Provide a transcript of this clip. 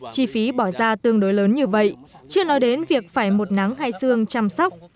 chi phí bỏ ra tương đối lớn như vậy chưa nói đến việc phải một nắng hay xương chăm sóc